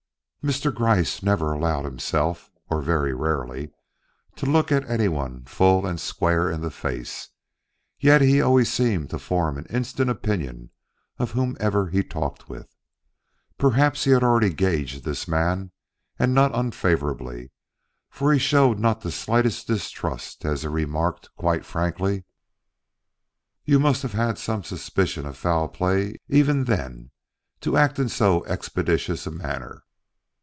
Mr. Gryce never allowed himself or very rarely to look at anyone full and square in the face; yet he always seemed to form an instant opinion of whomever he talked with. Perhaps he had already gauged this man and not unfavorably, for he showed not the slightest distrust as he remarked quite frankly: "You must have had some suspicion of foul play even then, to act in so expeditious a manner."